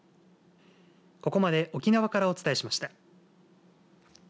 ここまで沖縄からお伝えしました。